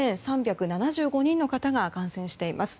２３７５人の方が感染しています。